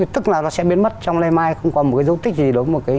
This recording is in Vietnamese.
tức là nó sẽ biến mất trong lây mai không có một cái dấu tích gì đúng